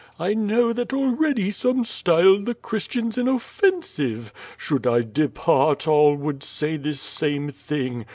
"I know that already some style the Christians inoffensive. Should I depart, all would say this same thing.